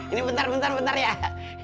ini bentar bentar bentar ya